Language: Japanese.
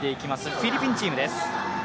フィリピンチームです。